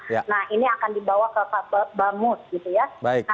nah ini akan dibawa ke bamud gitu ya